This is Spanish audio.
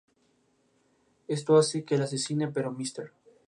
El inmueble posee una planta casi cuadrangular, con tres fachadas exteriores.